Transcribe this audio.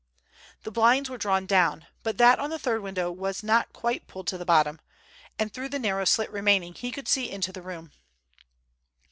The blinds were drawn down, but that on the third window was not quite pulled to the bottom, and through the narrow slit remaining he could see into the room.